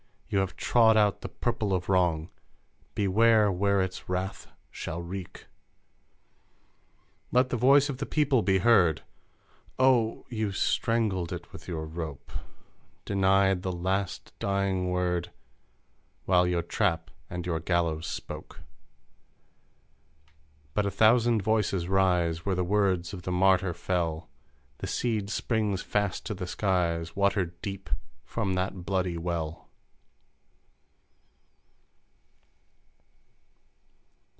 You have trod out the purple of wrong; Beware where its wrath shall wreak! "Let the voice of the People be heard! O " You strangled it with your rope, Denied the last dying word While your Trap and your Gallows spoke! But a thousand voices rise Where the words of the martyr fell ; The seed springs fast to the Skies Watered deep from that bloody well